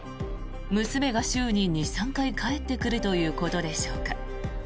娘が週に２３回帰ってくるということでしょうか。